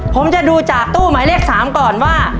ผมจะดูจากตู้หมายเลข๓ก่อนว่า